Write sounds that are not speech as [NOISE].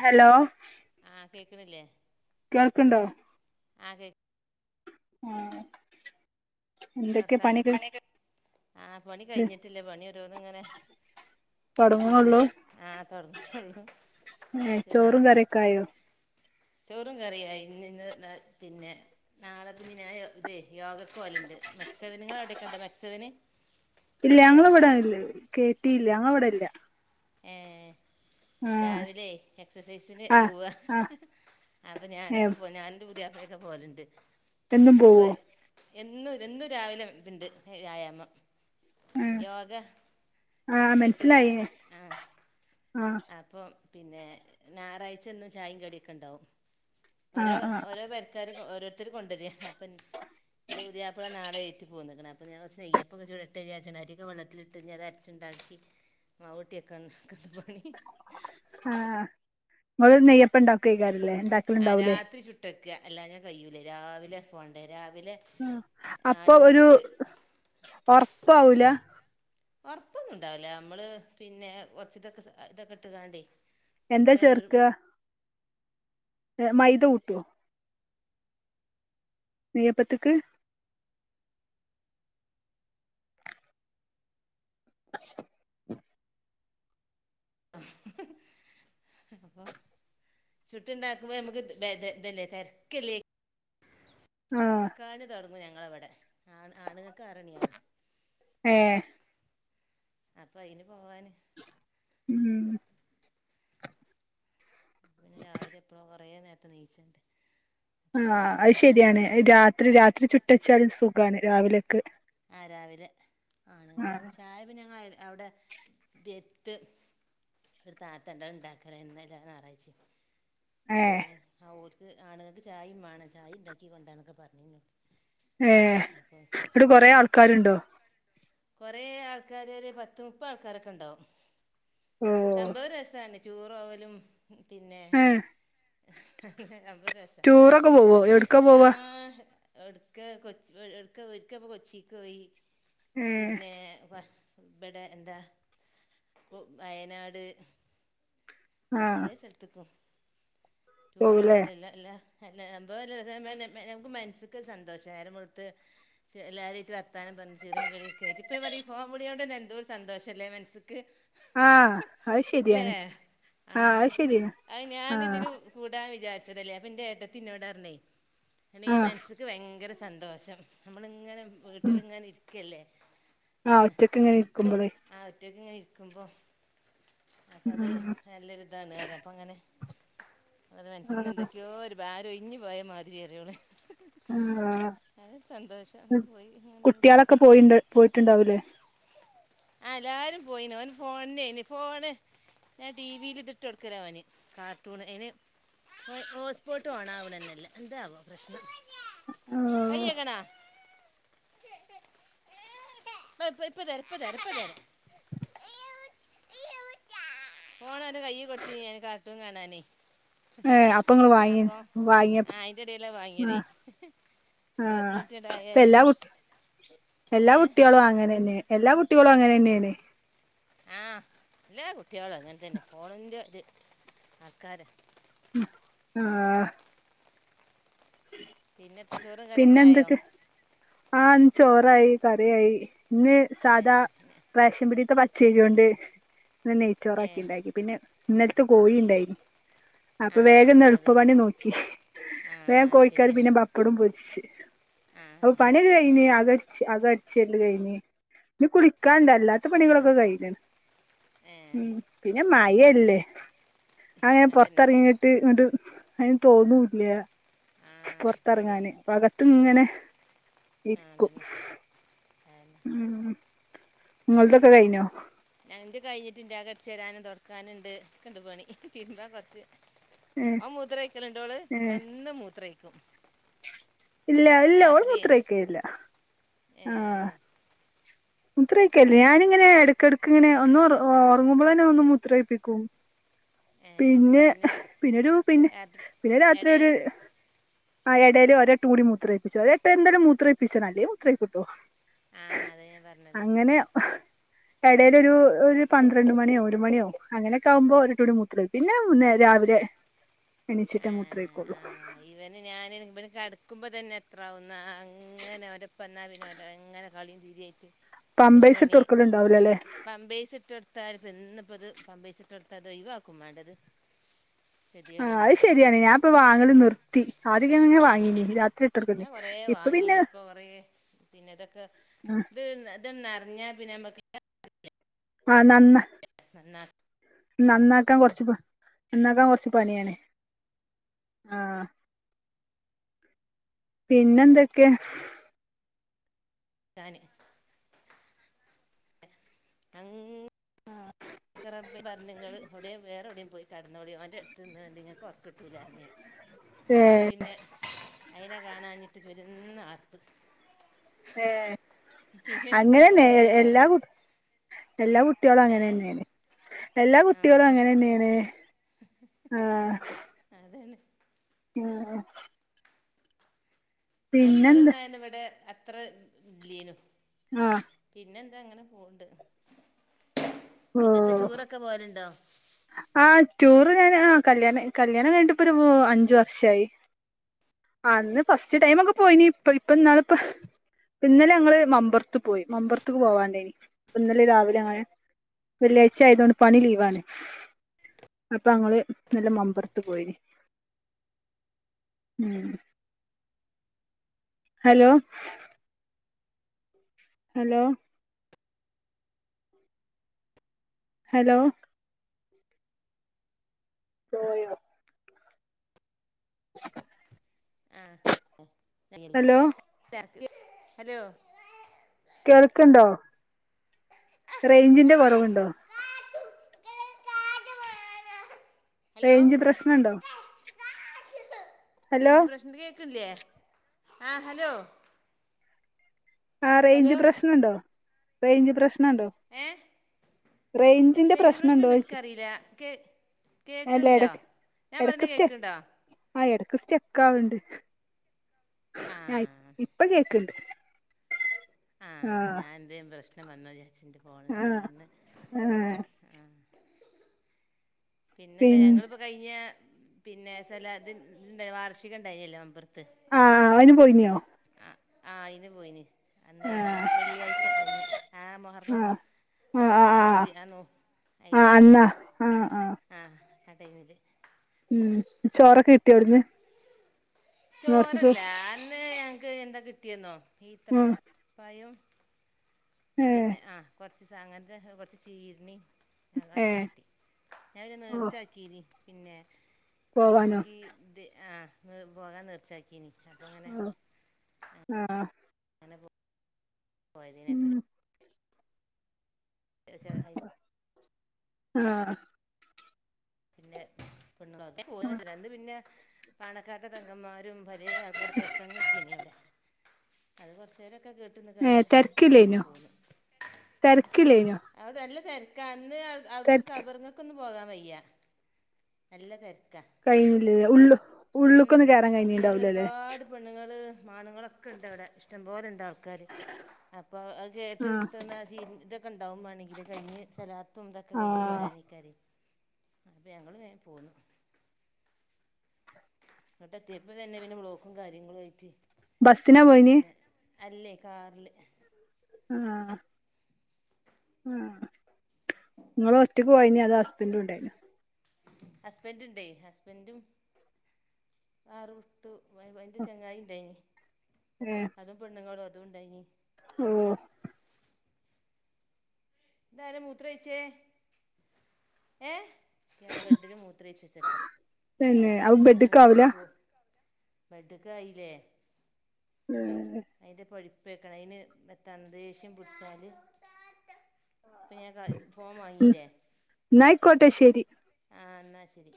Hello? ആ കേക്കണില്ലേ. കേള്‍ക്ക്ണ്ടാ? ആ കെ ആഹ്. എന്താ എന്തൊക്കെ വർത്താനം? പണിയൊക്കെ ആഹ് പണി കഴിഞ്ഞിട്ടില്ല പണി ഓരോന്നിങ്ങനെ തൊടങ്ങ്ണൊള്ളൂ പിന്നെ ആഹ് തൊടങ്ങാണൊള്ളു [UNINTELLIGIBLE] ക്കായോ ചോറും കറിയായി ഇന്ന ഇന്ന് ന്ന തിന്നാൻ. നാളെപ്പിന്നെ ഞാന്‍ ഇതെ യോഗക്ക് പോകല്ണ്ട് മെക്സവിന് നിങ്ങടെ എവിടെക്കെ ഒണ്ടോ മെക്സവിന് ഇല്ല ഞങ്ങളവടെ ഇല്ല കെട്ടീല്ല ഞങ്ങള ഇവിടെ ഇല്ല ഏ ആഹ് രാവിലെ എക്സസൈസിന് ആഹ് പോവ. ആഹ് അപ്പൊ ഏഹ് ഞാനൊക്കെ പോ ഞാനെന്റെ എന്റെ പുതിയാപ്പിളക്കെ പോവല്ണ്ട്. എന്നും പോവോ എന്നും എന്നും രാവിലെ പിണ്ട് വ്യായാമം ഏഹ് യോഗ ആഹ് ഇങ്ങിട്ട് മനസ്സിലായി ആ. ആഹ് അപ്പോ പിന്നെ ഞായറാഴ്ച എന്നും ചായേം കടിയൊക്കെണ്ടാവും. ഓരോ ആഹ് ആഹ് ഓരോ പെരക്കാരും ഓരോരുത്തര് കൊണ്ടുവരും അപ്പോ എന്റെപുതിയാപ്ലാ നാളെ [UNINTELLIGIBLE] പൊന്നേക്കണ് അപ്പോ ഞാന്‍ കൊറച്ച് നെയ്യപ്പോക്കെ ചൂടാട്ടേന്ന് വിചാരിച്ച് അരിക്ക് വെള്ളത്തി ട്ടഞ്ഞത അരച്ചുണ്ടാക്കി മാവട്ടിയൊക്കെ [UNINTELLIGIBLE] പണി ആഹ് നിങ്ങള് നെയ്യപ്പണ്ടാക്കകാര്യല്ലേ ഇണ്ടാക്കൽ ഇണ്ടാവൂലേ ട്ട് വെക്ക അല്ല ഞാൻ കയിയൂല രാവിലെ പോണ്ടേ രാവിലെ ആ അപ്പൊ ഒരു ആണുങ്ങൾക്ക് ഒറപ്പാവൂല. ഒറപ്പൊന്നും ഉണ്ടാവലേ അമ്മള് പിന്നെ കൊറച്ച് ഇതൊക്കെ, ഇതൊക്കെ ഇട്ട് ങ്ങാണ്ടേ എന്താ ചേർക്ക? മൈതഊട്ടുവോ? നെയ്യപ്പ്ത്ത്ക്ക് അള്ളാ ചുട്ട്ണ്ടാക്കുമ്പോ ഞമ്മുക്ക് ത്, ബേ, ത്, ഇതഅല്ലെ തെരക്കല്ലേ. ആഹ് [UNINTELLIGIBLE] തൊടങ്ങും ഞങ്ങളവടെ ആണ് ആണുങ്ങക്ക് ആറ്ണിയാകും ഏഹ് അപ്പൊ അയിന് പോവാന് ഉം പിന്നെ രാവിലെ എപ്പഴ കൊറെ നേരത്തെ എഴുന്നേറ്റേച്ചുണ്ട് ആഹ് അത് ശരിയാണ് രാത്രി, രാത്രി ചുട്ടച്ചാല് സുഖാണ് രാവിലെക്ക്. ആ രാവിലെ ആണ് ആ ഞാ വിളി [UNINTELLIGIBLE] ഞങ്ങ അവിടെ എത്ത് ഒരു താതാണ്ട് ണ്ടാക്കലെ ഇന്നല്ല ഞാറാഴ്ചെ. ഏ ആ ഓർക്ക് ആണുങ്ങക്ക് ചായെം വേണം ചായ ഉണ്ടാക്കി കൊണ്ടന്നൊക്കെ പറഞ്ഞിഞ്ഞോ. ഏഹ് ഇവിടെ കൊറേ ആൾക്കാരുണ്ടോ? കൊറേ ആൾക്കാര് ഒരു പത്ത് മുപ്പത് ആൾക്കാരൊക്കെ ഒണ്ടാവും. ഓ സംഭവം രസാണ്. ടൂറോവലും പിന്നെ ഏ അപ്പൊ രസാ ടൂറൊക്കെ പോവോ രണ്ട് എവിട്ക്കാ പോവാ ആഹ് എടുക്ക കൊ [UNINTELLIGIBLE] കൊച്ചിക്ക് പോയി ഏ പിന്നെ ഇബ്ടെ എന്താ കൊ വയനാട് ആ എല്ലേ സ്ഥലത്ത്ക്കും ടൂറ് പോവുലേ വോവലല്ല എല്ല എല്ല സംഭവം [UNINTELLIGIBLE] നമുക്ക് മൻസ്ക്ക് സന്തോഷ ഏരം വെള്ത്ത് ചെ എല്ലാരുഏറ്റ് വർത്താനം പറ്ഞ്ഞ് ചിറിം കളിയൊക്കൈറ്റ് ഇപ്പൊ ഞാപറിം ഫോം വിളിയോ ണ്ടെന്നെ എന്തോര് സന്തോഷല്ലേ മൻസ്ക്ക് ആഹ് അത് ശെരിയാണ്. ആഹ്, അയ്ശെരിയാ അത് ആഹ്. ഞാനിതിന് കൂടാൻ വിചാര്ച്ചതല്ലേ അപ്പൊ ഇന്റെ ഏട്ടത്തി ഇന്നോടർണേ എണീ ആ മൻസ്സ്ക്ക് ഭയങ്കര സന്തോഷം നമ്മള്ങ്ങനെ വീട്ട്ല്ങ്ങനെ ഇരിക്ക്യല്ലേ ആഹ് ഒറ്റക്ക് ഇങ്ങനെ ഇരിക്കുമ്പളേ ആഹ് ഒറ്റക്ക് ഇങ്ങനെ ഇരിക്കുമ്പൊ അപ്പത് ഉം നല്ലൊരു ഇതാന്ന് അറ്യ അപ്പങ്ങനെ ഓളറ്‌യാ മനസ്സ്ന്ന് ആ എന്തൊക്കിയോ ഒരു ഭാരം ഒയിഞ്ഞ് പോയ മാതിരിയറിയോള് ആഹ് ഉം അങ്ങനെ പോയി അങ്ങനെ കുട്ട്യോളൊക്കെ പോയിണ്ട് പോയിട്ട്ണ്ടാവൂലേ ആഹ് എല്ലാരും പോയീന്ന് ഓന് ഫോൺനേന് ഫോണ് ഞാൻ ടിവീല് ഇത്ട്ടൊട്ക്കലാ ഓന് കാർ ട്ടൂണ്ഏന് ഹോ ഹോസ്പോട്ട് ഓണാവ്ണെന്നെല്ല എന്താവോ പ്രശ്നം ഓ കയ്യെകണാ [INAUDIBLE] ഇപ്പം ഇപ്പം ഇപ്പതരാ ഇപ്പതരാ ഇപ്പതെര ഫോണ് ഓന്റെ ൻ്റെ കയ്യി കൊടുത്തിന്ന് ഞാന് കാർട്ടൂൻ കാണാന് ഏഹ് അപ്പൊങ്ങള് വാങ്ങി വാങ്ങിയപൊ ആ അതിൻ്റെ ഇടയിലാണ് ആഹ് വാങ്ങിയതേ ഇത് ആഹ് എത്തിയിട്ടുണ്ടായാൽ ഇപ്പെല്ലാ കുട്ടിയോ എല്ലാ ഏ കുട്ടിയോളും അങ്ങനെന്നെ എല്ലാ കുട്ടികളും അങ്ങനെന്നേണ് ആഹ് എല്ലാ കുട്ടേളും അങ്ങൻ തെന്നെ ഫോണ്ന്റെ ര് ആൾക്കാര ഉം ആഹ് പിന്നത്തെ ചോറും പിന്നെ കറിയൊക്കെ ആയോ എന്തെക്കെ ആഹ് ന്ന് ചോറായി കറിയായി ഇന്ന് ഏ സാധാ റേഷം പിടീത്തെ പച്ചരിയോണ്ട് ഇന്ന് ഏ നെയ്ച്ചോറാക്കി ഇണ്ടാക്കി പിന്നെ ഇന്നൽത്തെ കോയിണ്ടായിര്ന്നു ആ അപ്പം വേഗന്ന് എളുപ്പ അത് പണി നോക്കി ആ വേഗം കോഴിക്കറി ശരിയാ പിന്നെ പപ്പടും പൊരിച്ച് ആ അപ്പം പണി കഴി ഇനി അകടച് അടിച്ചെല്ല് കഴിഞ്ഞ് ഇനി കുളിക്കാണ്ടല്ല ഇവിടത്ത ആ പണികളൊക്കെ കഴിഞ്ഞ്ണ്. ഏ ഉം. പിന്നെ മഴല്ലേ അങ്ങനെ അതന്നെ പൊറത്തെറങ്ങി ട്ട് ങ്ങണ്ട് അയിന് തോന്നുല്ല്യ ആ പൊറത്തെറങ്ങാന് ശരിയാണ് അപ്പം അകത്ത് ങ്ങനെ ആഹ് അതന്നെ അയന്നെ ഉം ങ്ങൾതൊക്കെ കഴിഞ്ഞോ ഞ ന്റെ കഴിഞ്ഞിട്ടില്ല അകടിച്ചോരാനും തൊടക്കാന് ണ്ട് ഒക്കെ ണ്ട് പണി. തിര്മ്പാൻ കൊറച്ച് ഏ അവ മൂത്രൊഴിക്കലുണ്ടോള് ഇവ ഏ എന്നും മൂത്രൊഴിക്കും ഇല്ല ഇല്ല ഓള് മൂത്രൊഴിക്കലില്ല ഏ, ആഹ് മൂത്രൊഴിക്കല്ലേ ഞാനിങ്ങനെ എടക്കെടക്ക് ഇങ്ങനെ ഒന്ന് ഒറ ഒറങ്ങുമ്പോളന്നെ ഒന്ന് മൂത്രൊഴിപ്പിക്കും ഏ, പിന്നെ പിന്നൊരു പിന്നെ രാത്രി പിന്നെ രാത്രി എടേ ഒര് ആ എടയില് ഒരേട്ടൂടി മൂത്രൊഴിപ്പിച്ചാതി ഒരട്ടം എന്താലും മൂത്രൊഴിപ്പിച്ചണം അല്ലേ മൂത്രൊഴിക്കൂട്ടോ ആഹ് അതെ ഞ പറ അങ്ങനെ എടയിലൊരു ഒരു പന്ത്രണ്ട് മണിയോ ഒരു മണിയോ അങ്ങനെയൊക്കെ ആവുമ്പോ ഒരെട്ടൂടി മൂത്രൊഴി പിന്നെ ഉം രാവിലെ എണീച്ചിട്ടേ മൂത്രൊഴിക്കൊള്ളൂ ഇവനെ ഞാന് ഇവിടെ കെടക്കുമ്പ തന്നെ എത്രാവുന്നാ അങ്ങനെ ഒരപ്പം എന്നാ പിന്നെ [UNINTELLIGIBLE] കളിയും ചിരിയായിട്ട് ഒരു പമ്പേഴ്സ് ഇട്ട് മണി കൊടുക്കലുണ്ടാവൂലല്ലേ പാമ്പേഴ്സ് ഇട്ട് കൊട് ത്താര് ഇതിന്നിപ്പിത് പാമ്പേഴ്സ് ഇട്ട് കൊടുത്ത അത് ഒഴിവാക്കും വേണ്ടത് ഗതികേട് ആഹ് തന്നെ അത്ശെരിയാണ് ഞാ ഇപ്പം വാങ്ങല് നിർ ത്തി ആദ്യൊക്കെ ഞാൻ ആ വാങ്ങീന് രാത്രി ഇട്ടൊടുക്ക്ന്ന് ഞാൻ കുറേ ഇപ്പം വാങ്ങി പിന്നെ ഇപ്പോൾ കുറേ പിന്നെ ഇതൊക്കെ ഇത് ഇത് നെറഞ്ഞാ പിന്നെ നമ്മക്ക് ആ നന്ന [UNINTELLIGIBLE] നന്നാക്കാൻ കൊറച്ച്പണി നന്നാക്കാൻ കൊറച്ച് പണിയാണ് ആഹ് പിന്നെന്തൊക്കെ ഇതാന് അങ് ക റബി വർണങ്ങള് എവിടെയും വേറെ എവിടെയും പോയി കടന്നോളി ഓൻ്റെടുത്ത് നിന്നാട്ട് നിങ്ങക്ക് ഒറക്കിട്ടൂല്ല എന്ന് പറഞ്ഞ് ഞാന് ന്നട്ട് പിന്നെ അയിനെ കാണാഞ്ഞിട്ട് പെരും ആർപ്പ് പിന്നെ ഇങ്ങട്ടെന്നെ അങ്ങനെന്നെ വന്ന് വേഗം എല്ലാ ഒറങ്ങി എല്ലാ കുട്ടികളും ഏ അങ്ങനെ തന്നെയാണ് എല്ലാ ആ കുട്ടേളും അങ്ങനെന്നെയാണ് ആഹ അതന്നെ ഉം ആഹ് മറ്റോല് പിന്നെന്താ ഉണ്ടായന്ന് ഇവിടെ അത്ര ഇല്ലേനു ആ പിന്നെന്താ ഇങ്ങനെ പോവ്ണ്ട് ഓ ആ ടൂറ് ഞാന് ആ കല്യാണം കല്യാണം കഴിഞ്ഞിട്ടിപ്പൊ ഒരു അഞ്ചു വർഷായി അന്ന് ഫസ്റ്റ് ടൈമൊക്കെ പോയിന് ഇപ്പ ഇപ്പൊ ഇപ്പൊന്നാള് ഇപ്പൊ ഇന്നലെ ഞങ്ങള് മമ്പറത്ത് പോയി മമ്പറത്ത് പോവണ്ടായിന് ഇന്നലെ രാവിലെ അങ്ങനെ വെള്ളിയാഴ്ച ആയതോണ്ട് പണി ലീവാണ് അപ്പൊ അങ്ങള് ഇന്നലെ മമ്പറത്ത് പോയിനി ഉം ഹലോ അലോ ഹലോ പോയോ [INAUDIBLE] ആ ഹലോ [UNINTELLIGIBLE] ഹലോ കേൾക്ക്‌ണ്ടോ റേഞ്ചിന്റെ കുറവുണ്ടോ ഹലോ റെയിഞ്ച് പ്രശ്നണ്ടോ ഹലോ റെയിഞ്ച് പ്രശ്നണ്ട് കേക്കണില്ലേ ആ ഹലോ ആ ഹലോ റെയിഞ്ച് പ്രശ്നണ്ടോ റെയിഞ്ച് പ്രശ്നണ്ടോ ഏ റേഞ്ചിന്റെ റെയ്‌ഞ്ച് പ്രശ്നണ്ടോ പ്രശ്ണണ്ടോന്ന് ഇൻക്കറീല്ല കേ എല്ലാ കേൾക്കണല്ലോ എടക്ക് ഞാൻ എടക്ക്‌ പറയണ സ്റ്റക്ക്‌ കേൾക്കണ്ടോ ആ എടക്ക് സ്റ്റെക്കാവ്ണ്ട് ആ ഇപ്പൊ കേക്ക്‌ണ്ട് ആ ഞാൻ എന്തേ പ്രശ്നം വന്നോ വിചാര്ച്ച് എന്റെ ഫോണ്ന്റെ ആ കയ്യ്ന്ന് ആ ആഹ് പിന്നെ എന്താ പിൻ ഞങ്ങള് ഇപ്പോ കഴിഞ്ഞ പിന്നെ സലാത് ഇത് ഇണ്ട് വാർഷികം ഇണ്ടായിനല്ലോ മമ്പറ്ത്ത് ആ അയിന് പോയീനോ ആഹ് അയിന് പോയിന് അന്ന് ആ വ്യാഴാ വെള്ളിയാഴ്ച കഴിഞ്ഞ് ആഹ് ആ മോഹറം ആ ആ ആ നമ്മളെ ദിയാന്നു അയില് പോയി ആഹ് ആഹ് ആഹ് ആ ടൈമില് ഉം ചോറൊക്കെ കിട്ടിയോ അവിട്ന്ന് ചോറല്ല അന്ന് ഞങ്ങക്ക് എന്താ കിട്ടിയെന്നോ ആ ഈത്തപ്പഴം ഏ പിന്നെ ആഹ് കൊറച്ച് സാന അങ്ങനത്തെ കൊറച്ച് ചീര്ണ്ണി അതാ ഏ അതൊക്കെ കിട്ടി ഞാൻ പിന്നെ ഓ നേർച്ചാകീനി പിന്നെ പോവാനോ ഇൻക്ക് ഇത് ആ നീ പോകാൻ നേർച്ചാക്കീന് ആഹ് ആഹ് അങ്ങനെപോ പോയതിനെ ഉം [UNINTELLIGIBLE] [UNINTELLIGIBLE] ആഹ് പിന്നെ [UNINTELLIGIBLE] പിന്നെ പാണക്കാട്ടേ തങ്കമ്മാ വരും വരെ ആൾക്കാര് പ്രസാഗിക്കിനി അവിടെ അത് കൊറച്ചേരം കേ ഏഹ് തെരക്കില്ലെന്നു തെരക്കില്ലെന്നു അവടെ നല്ല തെരക്കാ ഇന്ന് അവിട്ക്ക് കബറിങ്ങക്ക് ഒന്നും പോകാൻ വയ്യ നല്ല തെരക്കാ കഴിഞ്ഞില്ലല്ലേ ഉള്ളു ഉം ഉള്ള്ക്കൊന്നും കേറാൻ ഉള്ളില് കഴിഞ്ഞിണ്ടാവൂലല്ലേ ഒരുപാട് പെണ്ണുങ്ങള് മാണ്ങ്ങളൊക്കെ ഇണ്ട് അവിടെ ഇഷ്ടംപോലെ ണ്ട് ആൾക്കാര് അപ്പോ അത് കേട്ട് ആഹ് [UNINTELLIGIBLE] ഇതൊക്കെ ഇണ്ടാവും വാണെങ്കില് കഴിഞ്ഞ് ചാ തും ന്തക്കെ കഴിഞ്ഞ് ആഹ് പോരാനിക്കാരി അപ്പം ഞങ്ങള് വേഗം പോന്നു ഇങ്ങോട്ടേത്തിപ്പ തന്നെ പിന്നെ ബ്ലോക്കും കാര്യങ്ങളും ആയിട്ട് ബസ്സിനാ പോയിന് പിന്നെ അല്ലേ കാറില് ആഹ് ആഹ് നിങ്ങള് ഒറ്റക്ക് പോയിനാ അതോ ഹസ്ബൻഡും ഉണ്ടായിനാ ഹസ്ബൻറ്റ് ഇണ്ടേ ഹസ്ബൻഡും കാറും ട് മരുമോന്റെ ചങ്ങായിണ്ടായിനി ഉം അതും പെണ്ണുങ്ങളും അതു ഉണ്ടായിനി ഉം ഇതാര മൂത്രഴിച്ചേ ഏ ആ ബെഡില് മൂത്രഴിച്ച് ചെക്കൻ പിന്നെ അപ്പൊ ഭയങ്കര ബെഡ്ക്കാവൂല കോ ബെഡ്ക്ക് ആയില്ലേ ഏഹ് അയിന്റെ പൊ- കെടക്കണേല് മെത്ത ദേഷ്യം പിടിച്ചാല്- ഇപ്പോ ഞാൻ ഫോൺ വാങ്ങില്ലേ എന്നായിക്കോട്ടേ ശരി ആഹ് എന്നാ ശരി